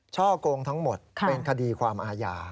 ช่อกงทั้งหมดเป็นคดีความอาญา